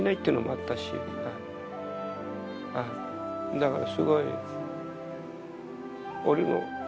だからすごい俺の。